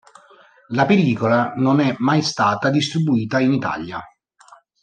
La pellicola non è mai stata distribuita in Italia.